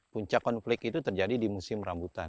puncak konflik itu terjadi di musim rambutan